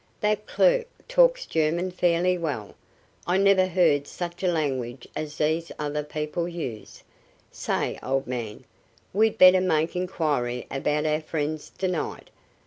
That clerk talks German fairly well. I never heard such a language as these other people use. Say, old man, we'd better make inquiry about our friends to night.